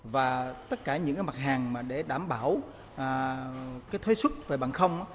và tất cả những mặt hàng để đảm bảo thuế xuất về bằng không